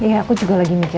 ya udah pathogens ya